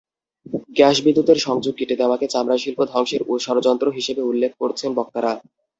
Gas বিদ্যুতের সংযোগ কেটে দেওয়াকে চামড়াশিল্প ধ্বংসের ষড়যন্ত্র হিসেবে উল্লেখ করছেন বক্তারা।